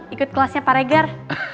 ikut kelasnya pak regar